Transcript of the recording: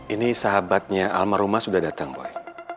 ini sahabatnya alma rumas sudah datang boy